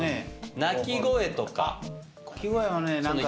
鳴き声とか。